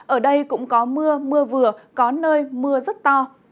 ở đây cũng có mưa mưa vừa có nơi mưa rất to